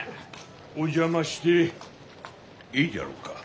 お邪魔してええじゃろうか。